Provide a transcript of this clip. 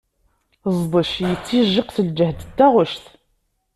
Ẓdec yettijiq s lǧahd n taɣect.